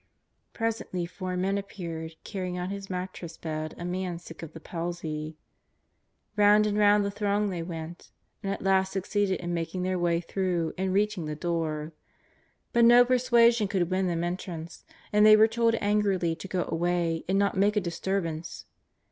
Presently four men appeared carrying on his mat tress bed a man sick of the palsy. Round and round the throng they went, and at last succeeded in making their way through and reaching the door. But no persuasion could win them entrance, and they were told angrily to go away and not make a disturbance.